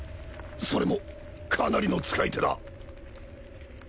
それもかなりの使い手だ